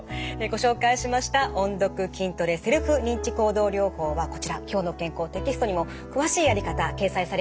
ご紹介しました音読筋トレセルフ認知行動療法はこちら「きょうの健康」テキストにも詳しいやり方掲載されています。